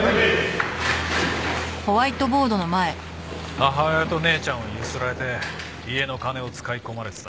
母親と姉ちゃんをゆすられて家の金を使い込まれてた。